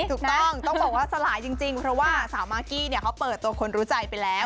ถูกต้องต้องบอกว่าสลายจริงเพราะว่าสาวมากกี้เนี่ยเขาเปิดตัวคนรู้ใจไปแล้ว